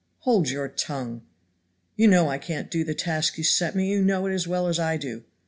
"Hold your tongue." "You know I can't do the task you set me. You know it as well as I do."